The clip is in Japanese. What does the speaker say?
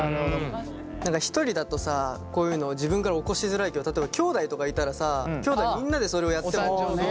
何か一人だとさこういうのを自分から起こしづらいけど例えばきょうだいとかいたらさきょうだいみんなでそれをやっても。